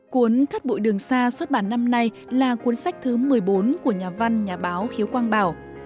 cuốn cát bụi đường xa xuất bản năm nay là cuốn sách thứ một mươi bốn của nhà văn nhà báo khiếu quang bảo